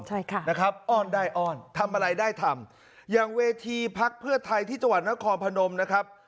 ใช่ค่ะนะครับอ้อนได้อ้อนทำอะไรได้ทำอย่างเวทีพักเพื่อไทยที่จังหวัดนครพนมนะครับ